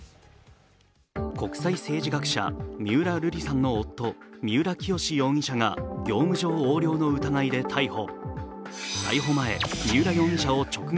国際政治学者・三浦瑠麗さんの夫三浦清志容疑者が業務上横領の疑いで逮捕。